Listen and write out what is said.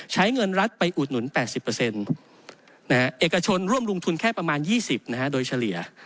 ใช้เงินรัฐไปอุดหนุน๘๐เอกชนร่วมลงทุนแค่ประมาณ๒๐โดยเฉลี่ย